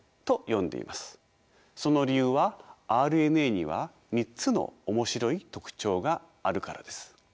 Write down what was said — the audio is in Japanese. その理由はＲＮＡには３つの面白い特徴があるからです。